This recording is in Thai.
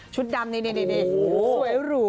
ดำนี่สวยหรู